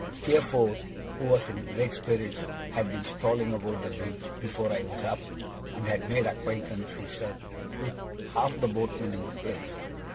Steerforth, who was in great spirits, had been strolling about the beach before I was up, and had made acquaintance, he said, with half the boatmen in the place.